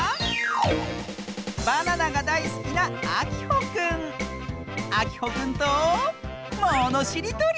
バナナがだいすきなあきほくんとものしりとり！